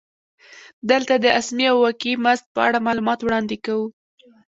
دلته د اسمي او واقعي مزد په اړه معلومات وړاندې کوو